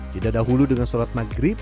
tidak dahulu dengan sholat maghrib